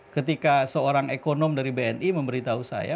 ketika seorang ekonom dari bni memberitahu saya